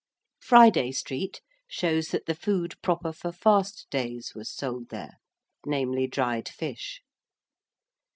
Friday Street shows that the food proper for fast days was sold there namely, dried fish.